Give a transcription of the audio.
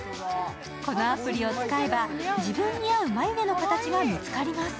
このアプリを使えば、自分に合う眉毛の形が見つかります。